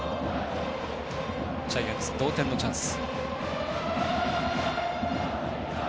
ジャイアンツ、同点のチャンス。